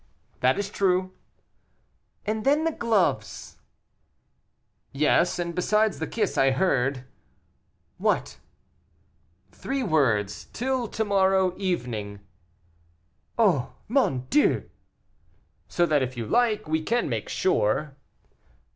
"That is true." "And then the gloves " "Yes, and besides the kiss, I heard " "What?" "Three words, 'Till to morrow evening.'" "Oh! mon Dieu!" "So that, if you like, we can make sure."